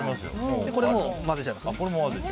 これも混ぜちゃいます。